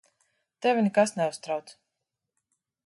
Tevi nekas neuztrauc.